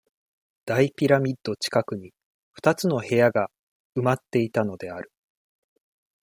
大ピラミッド近くに、二つの部屋が、埋まっていたのである。